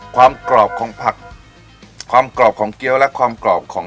กรอบของผักความกรอบของเกี้ยวและความกรอบของ